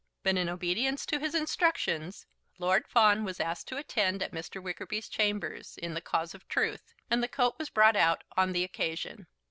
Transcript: But in obedience to his instructions, Lord Fawn was asked to attend at Mr. Wickerby's chambers, in the cause of truth, and the coat was brought out on the occasion.